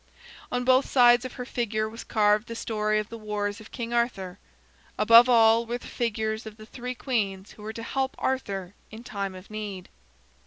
On both sides of her figure was carved the story of the wars of King Arthur. Above all were the figures of the three queens who were to help Arthur in time of need.